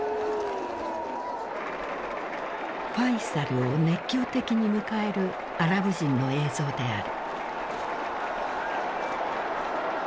ファイサルを熱狂的に迎えるアラブ人の映像である。